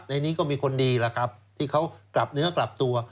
ในนี้ก็มีคนดีล่ะครับที่เขากลับเนื้อกลับตัว